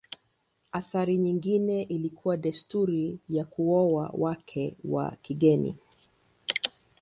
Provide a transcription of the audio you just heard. Athari nyingine ilikuwa desturi ya kuoa wake wa kigeni.